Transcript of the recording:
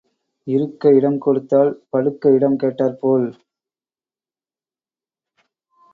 இருக்க இடம் கொடுத்தால் படுக்க இடம் கேட்டாற் போல்,